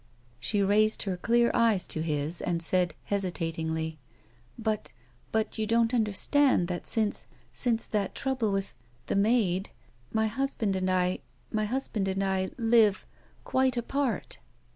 She raised her clear eyes to his and said, hesitatingly :" But — but — don't you understand that since — since that trouble with — the maid — my husband and I live — quite apart."